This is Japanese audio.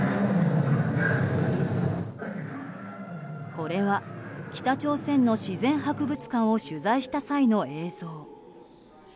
これは北朝鮮の自然博物館を取材した際の映像。